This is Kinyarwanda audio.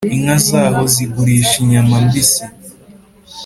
Inka zaho zigurisha inyama mbisi